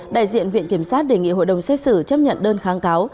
đại diện viện kiểm sát đề nghị hội đồng xét xử chấp nhận đơn kháng cáo